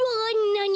なに？